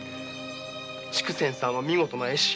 竹仙さんは見事な絵師。